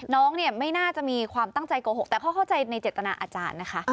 น้องเนี่ยไม่น่าจะมีความตั้งใจโกหกแต่เขาเข้าใจในเจตนาอาจารย์นะคะ